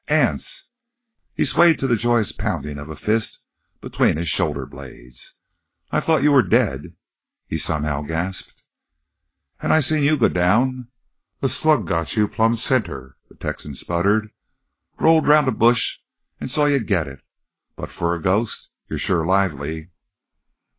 "Anse!" He swayed to the joyous pounding of a fist between his shoulder blades. "I thought you were dead!" he somehow gasped. "An' I seen you go down; a slug got you plumb center!" the Texan sputtered. "Rolled 'round a bush an' saw you git it! But for a ghost you're sure lively!"